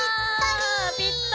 ぴったり。